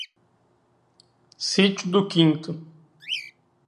Sítio do Quinto